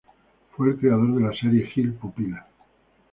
Fue el creador de la serie Gil Pupila.